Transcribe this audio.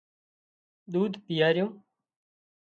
ۮوڌ پيئارو